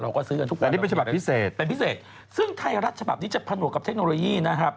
ก็ซื้อกันทุกวันนี้เป็นฉบับพิเศษเป็นพิเศษซึ่งไทยรัฐฉบับนี้จะผนวกกับเทคโนโลยีนะครับ